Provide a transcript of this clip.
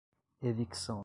evicção